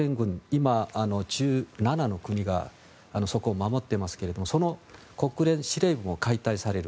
今、１７の国がそこを守っていますがその国連司令部も解体される。